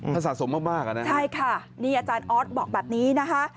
ถ้าสะสมมากอ่ะนะใช่ค่ะนี่อาจารย์ออสบอกแบบนี้นะคะ